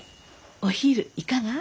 お昼いかが？